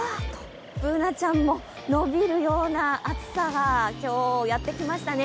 Ｂｏｏｎａちゃんものびるような暑さが今日、やってきましたね。